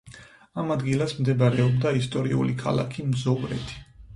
ამ ადგილას მდებარეობდა ისტორიული ქალაქი მძოვრეთი.